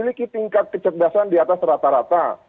memiliki tingkat kecerdasan di atas rata rata